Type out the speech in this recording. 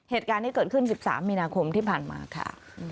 เหตุการณ์ที่เกิดขึ้น๑๓มีนาคมที่ผ่านมาค่ะ